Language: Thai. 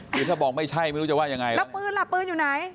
คือถ้าบอกไม่ใช่ไม่รู้จะว่ายังไงแล้วปืนล่ะปืนอยู่ไหน